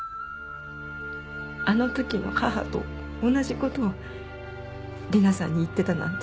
あの時の母と同じ事を理奈さんに言ってたなんて。